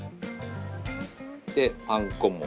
でパン粉も。